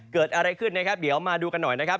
เกิดอะไรขึ้นนะครับเดี๋ยวมาดูกันหน่อยนะครับ